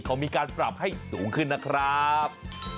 เขามีการปรับให้สูงขึ้นนะครับ